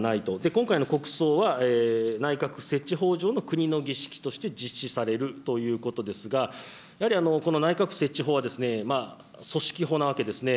今回の国葬は、内閣設置法上の国の儀式として実施されるということですが、やはり、この内閣設置法は、組織法なわけですね。